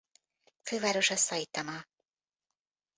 Fővárosa Szaitama.